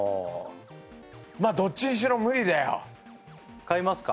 まあどっちにしろ無理だよ買いますか？